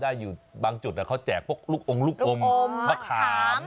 ให้มันตื่นนะ